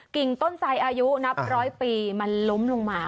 ่งต้นไสอายุนับร้อยปีมันล้มลงมา